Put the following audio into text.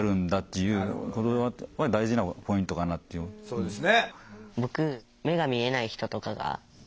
そうですね。